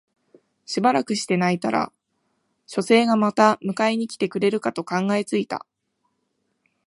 しばらくして泣いたら書生がまた迎えに来てくれるかと考え付いた